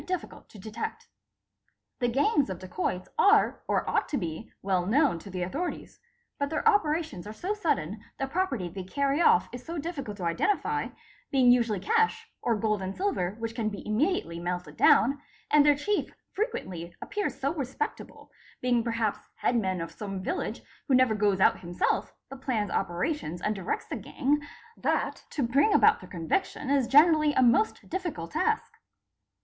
difficult to detect. | The gangs of dacoits are or ought to be well known to the authorities, but their operations are so sudden, the property they carry off is so difficult to identify, being usually cash or gold and silver which can be immediately ~ melted down, and their chief frequently appears so respectable, being perhaps headman of some village, who never goes out himself but plans Operations and directs the gang, that to bring about their conviction is generally a most difficult task.